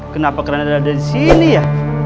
kenapa karena ada di sini ya